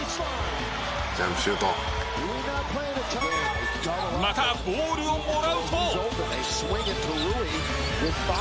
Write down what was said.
「ジャンプシュート」またボールをもらうと。